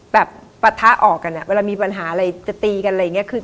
ปะทะออกกันเวลามีปัญหาอะไรจะตีกันอะไรอย่างนี้คือ